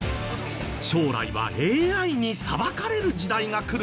将来はＡＩに裁かれる時代が来るかもしれない。